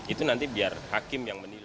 itu nanti biar hakim yang menilai